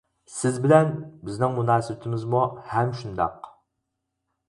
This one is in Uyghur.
سىز بىلەن بىزنىڭ مۇناسىۋىتىمىزمۇ ھەم شۇنداق.